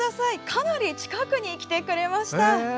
かなり近くに来てくれました。